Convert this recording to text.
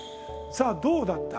さあどうだった？